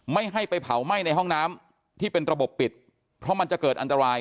ไม่ให้ไปเผาไหม้ในห้องน้ำที่เป็นระบบปิดเพราะมันจะเกิดอันตราย